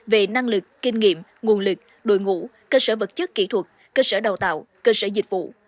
về năng lực kinh nghiệm nguồn lực đội ngũ cơ sở vật chất kỹ thuật cơ sở đào tạo cơ sở dịch vụ